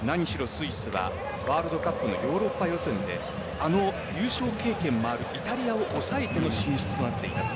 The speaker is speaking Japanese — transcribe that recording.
スイスはワールドカップのヨーロッパ予選であの優勝経験もあるイタリアを抑えての進出となっています。